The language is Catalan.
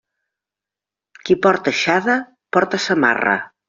Qui porta aixada porta samarra.